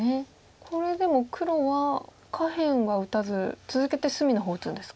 これでも黒は下辺は打たず続けて隅の方打つんですか。